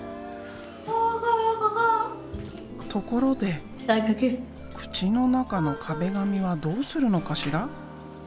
ところで口の中の壁紙はどうするのかしら？